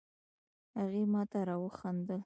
هغې ماته را وخندل